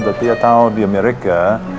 tapi ya tahu di amerika